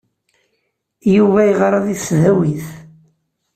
Yuba yeɣra deg tesdawit.